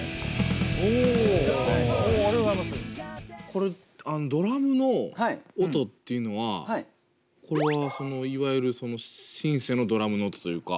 これドラムの音っていうのはこれはそのいわゆるシンセのドラムの音というか。